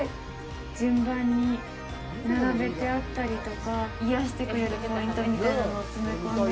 順番に並べてあったりとか癒やしてくれるポイントみたいなのを詰め込んで。